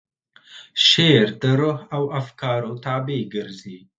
شعر د روح او افکارو تابع ګرځي.